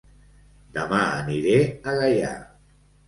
Dema aniré a Gaià